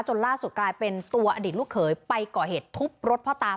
ล่าสุดกลายเป็นตัวอดีตลูกเขยไปก่อเหตุทุบรถพ่อตา